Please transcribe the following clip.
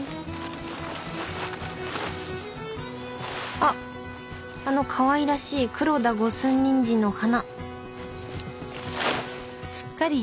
あっあのかわいらしい黒田五寸ニンジンの花。